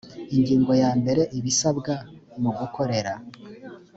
ingingo ya mbere ibisabwa mu gukorera